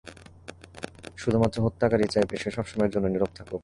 শুধুমাত্র হত্যাকারীই চাইবে সে সবসময়ের জন্য নীরব থাকুক।